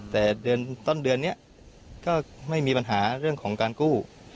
แต่เดือนต้นเดือนนี้ก็ไม่มีปัญหาเรื่องของการกู้